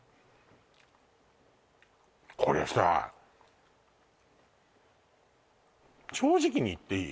これさ正直に言っていい？